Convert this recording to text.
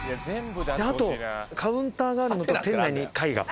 あとカウンターがあるのと店内に絵画。